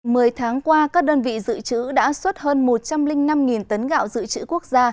mười tháng qua các đơn vị dự trữ đã xuất hơn một trăm linh năm tấn gạo dự trữ quốc gia